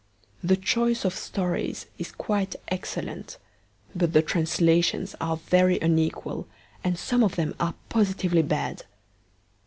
The choice of stories is quite excellent, but the translations are very unequal, and some of them are positively bad.